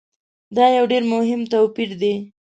دا یو ډېر مهم توپیر دی.